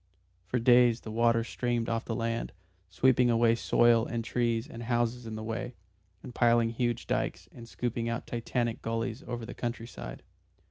For days the water streamed off the land, sweeping away soil and trees and houses in the way, and piling huge dykes and scooping out Titanic gullies over the country side.